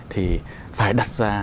thì phải đặt ra